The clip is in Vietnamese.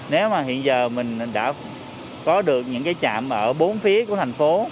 nếu mà hiện giờ mình đã có được những cái chạm ở bốn phía của thành phố